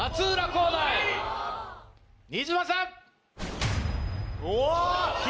新妻さん。